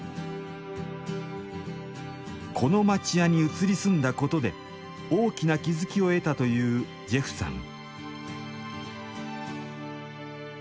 この町家に移り住んだことで大きな気付きを得たというジェフさん。